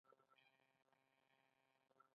ایا زه باید بازار ته لاړ شم؟